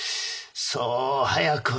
そう早くは。